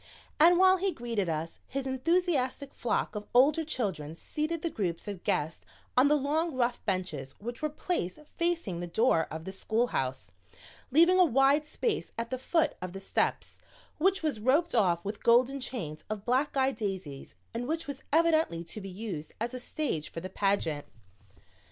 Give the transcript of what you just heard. And while he greeted us, his enthusiastic flock of older children seated the groups of guests on the long rough benches which were placed facing the door of the schoolhouse, leaving a wide space at the foot of the steps, which was roped off with golden chains of black eyed daisies and which was evidently to be used as a stage for the pageant.